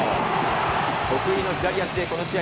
得意の左足でこの試合